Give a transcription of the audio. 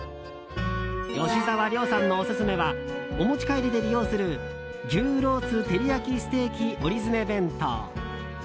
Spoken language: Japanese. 吉沢亮さんのオススメはお持ち帰りで利用する牛ロースてり焼きステーキ折詰弁当。